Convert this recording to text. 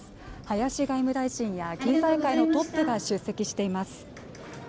林外務大臣や経済界のトップが出席しています